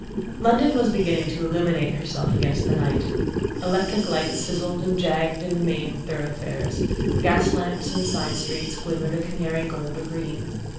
London was beginning to illuminate herself against the night. Electric lights sizzled and jagged in the main thoroughfares, gas lamps in the side streets glimmered a canary gold or green.